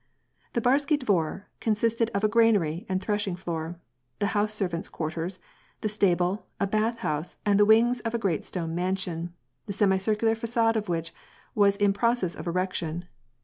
The barsky dvar consisted of a granary and threshing floor, the house servants' quarters, the stable, a bathhouse, and the wings of a gre at stone mansion, the semicircular facade of which was in process of erection.